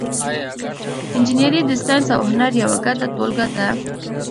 انجنیری د ساینس او هنر یوه ګډه ټولګه ده.